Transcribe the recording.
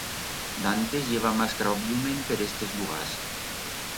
D'antes i heba mas crabumen per estes lugars.